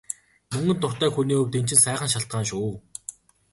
Мөнгөнд дуртай хүний хувьд энэ чинь сайхан шалтгаан шүү.